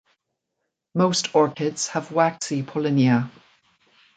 Most orchids have waxy pollinia.